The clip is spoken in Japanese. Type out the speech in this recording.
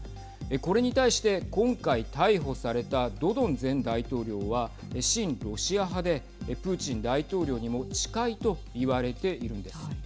これに対して今回逮捕されたドドン前大統領は親ロシア派でプーチン大統領にも近いといわれているんです。